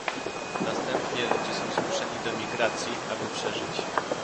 Następnie ludzie są zmuszani do migracji, aby przeżyć